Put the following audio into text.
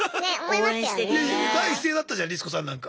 第一声だったじゃんリス子さんなんか。